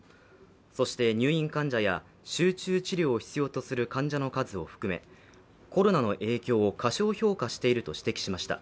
そして、入院患者や集中治療を必要とする患者の数を含め、コロナの影響を過小評価していると指摘しました。